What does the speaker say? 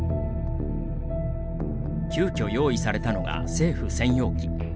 急きょ、用意されたのが政府専用機。